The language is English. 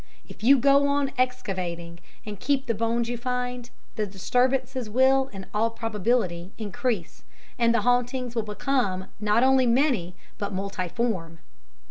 If you go on excavating and keep the bones you find, the disturbances will, in all probability, increase, and the hauntings will become not only many but multiform."